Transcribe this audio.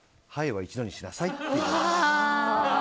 はいは一度にしなさいって。